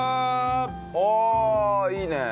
おおいいね。